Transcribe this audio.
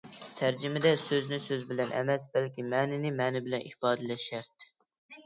تەرجىمىدە «سۆزنى سۆز بىلەن» ئەمەس، بەلكى «مەنىنى مەنە بىلەن» ئىپادىلەش شەرت.